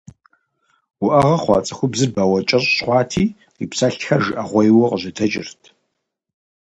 Уӏэгъэ хъуа цӏыхубзыр бауэкӏэщӏ хъуати къипсэлъхэр жыӏэгъуейуэ къыжьэдэкӏырт.